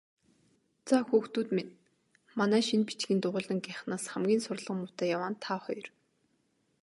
Заа, хүүхдүүд минь, манай шинэ бичгийн дугуйлангийнхнаас хамгийн сурлага муутай яваа нь та хоёр.